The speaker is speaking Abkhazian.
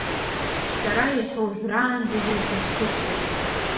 Сара иахьа ожәраанӡагьы сазхәыцуеит.